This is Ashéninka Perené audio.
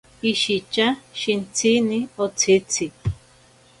Ishitya shintsini otsitzi.